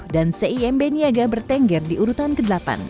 dan cimb niaga bertengger di urutan ke delapan